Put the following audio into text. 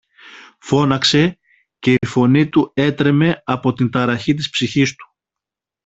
φώναξε, και η φωνή του έτρεμε από την ταραχή της ψυχής του.